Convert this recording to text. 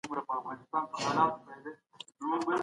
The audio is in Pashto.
د مطالعې فرهنګ بايد په ټولو سيمو کي پياوړی سي.